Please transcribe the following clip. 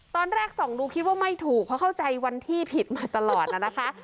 ตอนแรกส่องดูคิดว่าไม่ถูกเพราะเข้าใจวันที่ผิดมาตลอดน่ะนะคะ